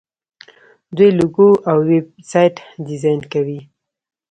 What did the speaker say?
دوی لوګو او ویب سایټ ډیزاین کوي.